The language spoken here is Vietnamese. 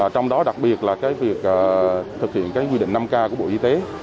trong đó đặc biệt là cái việc thực hiện cái quy định năm k của bộ y tế